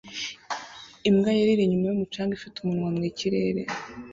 Imbwa yera iri inyuma yumucanga ifite umunwa mwikirere